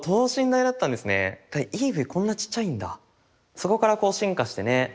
そこからこう進化してね。